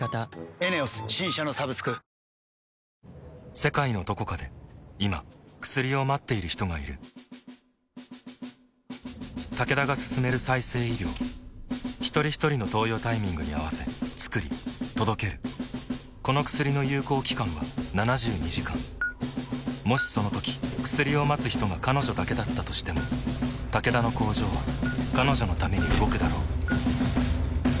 世界のどこかで今薬を待っている人がいるタケダが進める再生医療ひとりひとりの投与タイミングに合わせつくり届けるこの薬の有効期間は７２時間もしそのとき薬を待つ人が彼女だけだったとしてもタケダの工場は彼女のために動くだろう